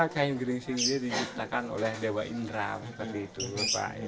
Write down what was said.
kain geringsing ini dijistakan oleh dewa indra seperti itu bapak